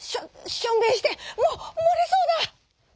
しょんべんしてえ。ももれそうだ」。